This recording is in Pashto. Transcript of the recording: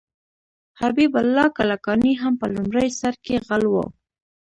حبیب الله کلکاني هم په لومړي سر کې غل و.